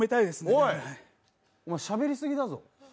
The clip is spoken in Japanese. お前、しゃべりすぎだぞ。